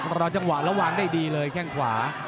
ประจำว่าระวังได้ดีเลยแข่งขวา